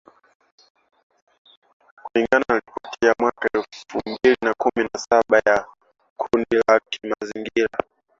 kulingana na ripoti ya mwaka elfu mbili na kumi na saba ya kundi la kimazingira